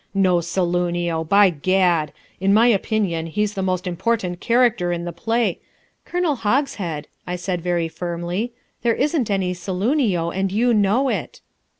No Saloonio! By gad! in my opinion, he's the most important character in the play " "Colonel Hogshead," I said very firmly, "there isn't any Saloonio and you know it."